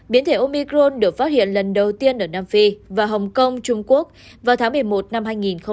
biến thể omicron được phát hiện lần đầu tiên ở nam phi và hồng kông trung quốc vào tháng một mươi một năm hai nghìn một mươi chín